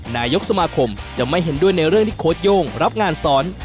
นายกสมาคมจะไม่เห็นด้วยในเรื่องที่โค้ดโย่งรับงานสอน